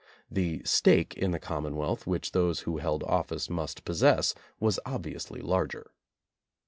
The "stake" in the commonwealth which those who held office must possess was obviously larger.